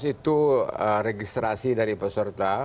empat belas itu registrasi dari peserta